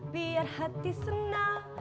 biar hati senang